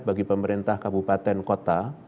bagi pemerintah kabupaten kota